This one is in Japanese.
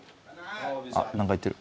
あっなんか言ってる。